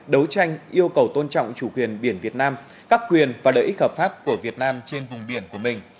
đấu tranh yêu cầu tôn trọng chủ quyền biển việt nam các quyền và lợi ích hợp pháp của việt nam trên vùng biển của mình